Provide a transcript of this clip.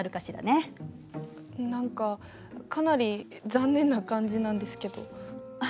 何かかなり残念な感じなんですけど。